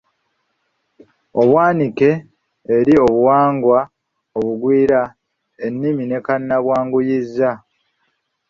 Obwanike eri obuwangwa obugwira, ennimi ne kannabwanguyiza